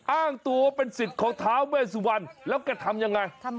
อ้างตัวเป็นสิทธิ์ของท้าเวสุวรรณแล้วแกทำยังไง